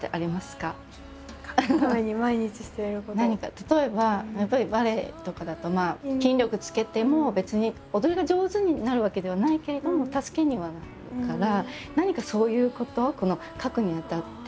例えばやっぱりバレエとかだと筋力つけても別に踊りが上手になるわけではないけれども助けにはなるから何かそういうこと書くにあたって。